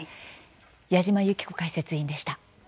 矢島由紀子解説委員でした。